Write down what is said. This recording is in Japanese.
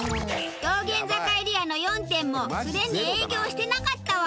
道玄坂エリアの４店もすでに営業してなかったわ！